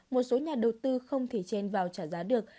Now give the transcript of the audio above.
một số nhà đầu tư không thể chen vào trả giá được